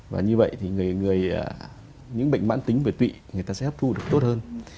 và như vậy thì những bệnh mạn tính về tụy người ta sẽ hấp thu được tốt hơn